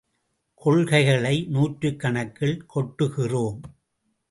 கொள்கைகளை நூற்றுக்கணக்கில் கொட்டுகிறோம்.